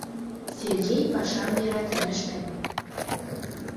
Сергей пашам йӧратен ыштен.